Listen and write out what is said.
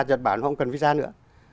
nhật bản họ không cần visa nữa